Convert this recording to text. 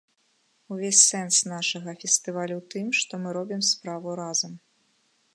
Увесь сэнс нашага фестывалю ў тым, што мы робім справу разам.